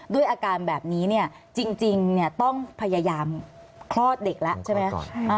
ด้วยอาการแบบนี้เนี่ยจริงต้องพยายามคลอดเด็กแล้วใช่ไหม